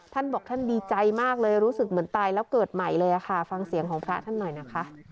ท่านบอกท่านดีใจมากเลยรู้สึกเหมือนตายแล้วเกิดใหม่เลยค่ะฟังเสียงของพระท่านหน่อยนะคะ